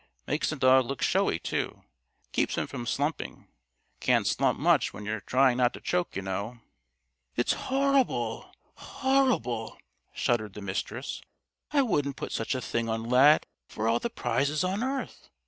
Makes the dog look showy, too keeps him from slumping. Can't slump much when you're trying not to choke, you know." "It's horrible! Horrible!" shuddered the Mistress. "I wouldn't put such a thing on Lad for all the prizes on earth.